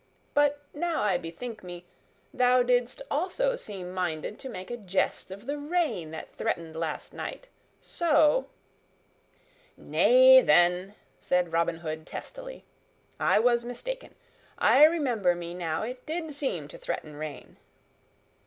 But now I bethink me, thou didst also seem minded to make a jest of the rain that threatened last night; so " "Nay, then," said Robin Hood testily, "I was mistaken. I remember me now it did seem to threaten rain."